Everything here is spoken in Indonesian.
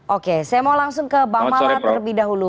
oke saya mau langsung ke bang mala terlebih dahulu